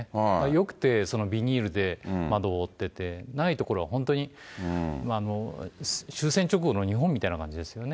よくてビニールで窓を覆っていて、ない所は本当に、終戦直後の日本みたいな感じですよね。